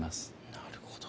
なるほど。